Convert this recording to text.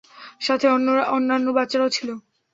সাথে অন্যান্য বাচ্চারাও ছিল!